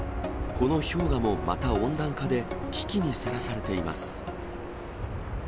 この氷河もまた温暖化で危機にさらされています。